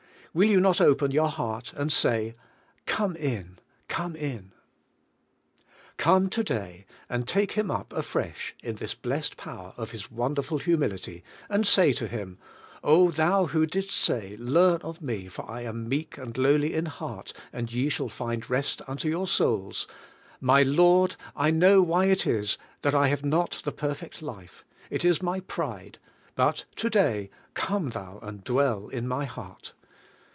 Will you not open your heart, and say: "Come in; come in?" Come to day, and take Him up afresh in this blessed power of His wonderful humilit}^, and say to Him: "Oh, Thou who didst say, 'Learn of me, for I am meek and lowly in heart, and ye shall find rest unto your souls,' my Lord, I know why it is that I have not the perfect life; it is my pride, but to day, come Thou and dwell in my heart.